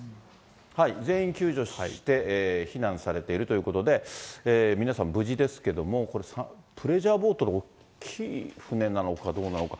全員救助して、避難されているということで、皆さん、無事ですけれども、これ、プレジャーボートの大きい船なのかどうなのか。